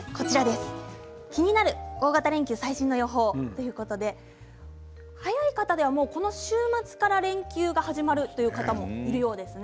気になる大型連休最新の予報ということで早い方ではこの週末から連休が始まるという方もいるようですね。